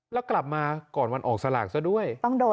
แล้วกลับมาก่อนวันออกสลากซะด้วย